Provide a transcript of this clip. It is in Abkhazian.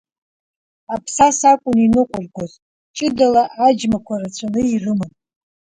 Аԥсаса акәын иныҟәыргоз, ҷыдала аџьмақәа рацәаны ирыман.